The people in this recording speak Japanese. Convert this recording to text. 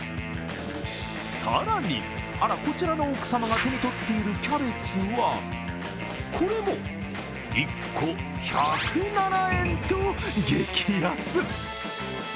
更に、こちらの奥様が手にとっているキャベツは、これも１個１０７円と、激安。